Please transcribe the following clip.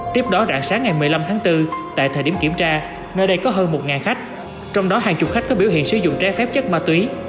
tiếp đó rạng sáng ngày một mươi năm tháng bốn tại thời điểm kiểm tra nơi đây có hơn một khách trong đó hàng chục khách có biểu hiện sử dụng trái phép chất ma túy